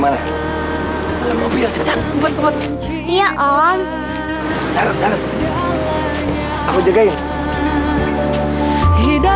mau gak gue ingat ketahuan dimana